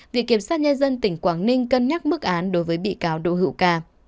viện kiểm sát nhân dân tỉnh quảng ninh cân nhắc mức án đối với bị cáo đỗ hữu ca